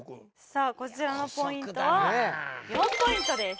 さあこちらのポイントは４ポイントです。